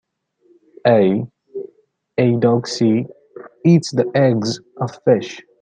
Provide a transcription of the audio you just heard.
"A. eydouxii" eats the eggs of fish.